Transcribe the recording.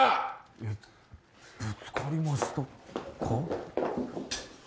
えッぶつかりましたか？